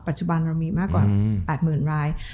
ปัจจุบันเรามีมากกว่า๘๐๐๐ราย